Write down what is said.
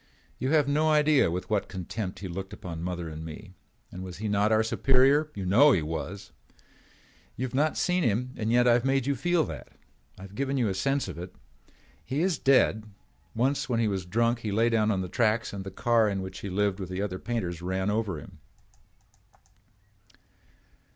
You have no idea with what contempt he looked upon mother and me. And was he not our superior? You know he was. You have not seen him and yet I have made you feel that. I have given you a sense of it. He is dead. Once when he was drunk he lay down on the tracks and the car in which he lived with the other painters ran over him."